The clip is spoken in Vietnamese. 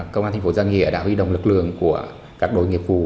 công an tp gia nghĩa đã huy động lực lượng của các đối nghiệp vụ